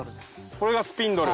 これがスピンドル。